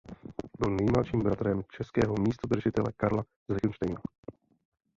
Byl nejmladším bratrem českého místodržitele Karla z Lichtenštejna.